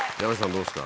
どうですか？